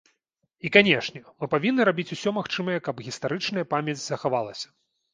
І канешне, мы павінны рабіць усё магчымае, каб гістарычная памяць захавалася.